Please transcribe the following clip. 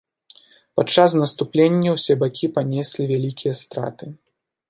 Падчас наступлення ўсе бакі панеслі вялікія страты.